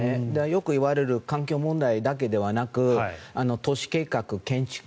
よくいわれる環境問題だけではなく都市計画、建築